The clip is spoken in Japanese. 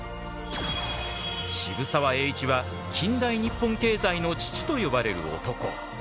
渋沢栄一は近代日本経済の父と呼ばれる男。